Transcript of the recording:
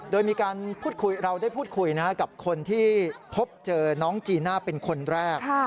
โดยมีการพูดคุยเราได้พูดคุยกับคนที่พบเจอน้องจีน่าเป็นคนแรก